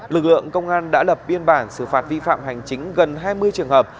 lực lượng công an đã lập biên bản xử phạt vi phạm hành chính gần hai mươi trường hợp